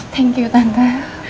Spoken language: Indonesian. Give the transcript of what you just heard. thank you tante